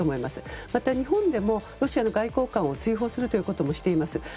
また日本でもロシアの外交官を追放することもしています。